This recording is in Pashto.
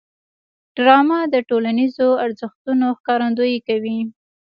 ډرامه د ټولنیزو ارزښتونو ښکارندويي کوي